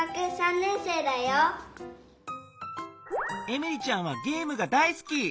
エミリちゃんはゲームが大すき！